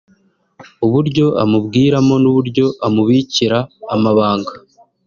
uburyo amubwiramo n’uburyo amubikira amabanga